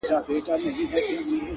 پوهه له پوښتنو پیل کېږي